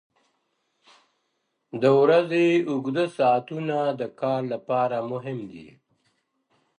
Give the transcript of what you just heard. • د ورځې اوږده ساعتونه د کار لپاره مهم دي.